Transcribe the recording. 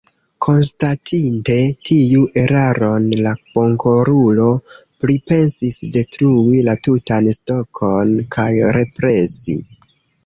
Konstatinte tiun eraron, la bonkorulo pripensis detrui la tutan stokon kaj represi.